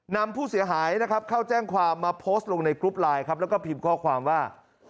นำผู้เสียหายนะครับเข้าแจ้งความมาโพสต์ลงในกรุ๊ปไลน์ครับแล้วก็พิมพ์ข้อความว่า